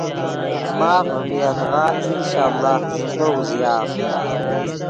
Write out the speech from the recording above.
ماف ڤیم یدغا انشاء اللہ زندو اوزیآف